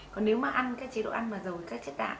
còn nếu mà ăn cái chế độ ăn mà dầu các chất đạn